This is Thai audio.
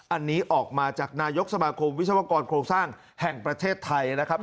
อันนี้ออกมาจากนายกสมาคมวิศวกรโครงสร้างแห่งประเทศไทยนะครับ